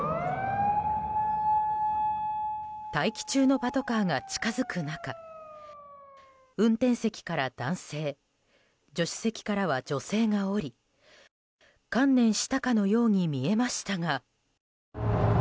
待機中のパトカーが近づく中運転席から男性助手席からは女性が降り観念したかのようにみえましたが。